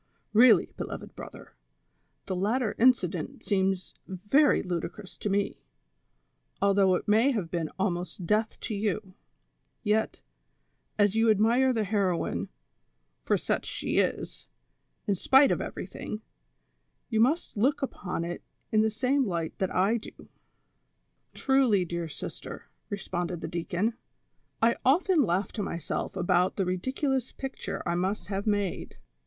Really, beloved brother, the latter incident seems very ludicrous to me, although it may have been almost death to you ; yet, as you admire the heroine, for such she is, in spite of everything, you must look upon it in the same light that I do." "Truly, dear sister," responded the deacon, "I often laugh to myself about the ridiculous picture I must have made.